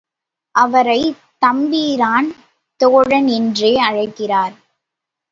அவரைத் தம்பிரான் தோழன் என்றே அழைக்கிறார்.